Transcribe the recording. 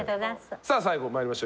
さあ最後まいりましょう。